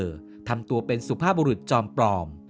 ทำตัวเป็นสุภาพบุรุษจอมปลอม